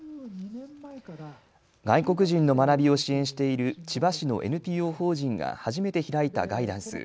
外国人の学びを支援している千葉市のＮＰＯ法人が初めて開いたガイダンス。